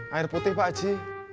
air putih pak aji